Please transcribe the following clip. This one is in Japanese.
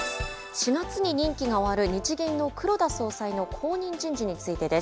４月に任期が終わる日銀の黒田総裁の後任人事についてです。